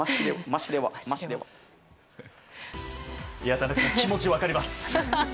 田中さんの気持ち分かります。